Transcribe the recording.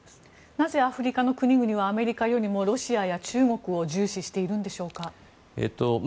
なぜアフリカの国々はアメリカよりもロシアや中国を重視しているんでしょうか？